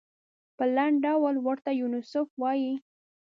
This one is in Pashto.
په لنډ ډول ورته یونیسف وايي.